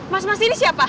mas mas ini siapa